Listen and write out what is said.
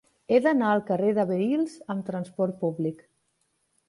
He d'anar al carrer de Vehils amb trasport públic.